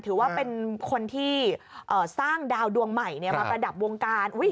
ถือว่าเป็นคนที่สร้างดาวดวงใหม่มาประดับวงการ